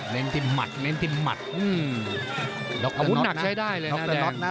เล้นทิมหมัดเล้นทิมหมัดอาวุธหนักใช้ได้เลยนะ